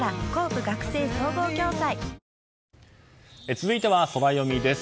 続いてはソラよみです。